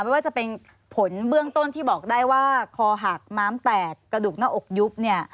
ไม่ว่าจะเป็นผลเบื้องต้นที่บอกได้ว่าคอหักม้ามแตกกระดูกหน้าอกยุบเนี่ย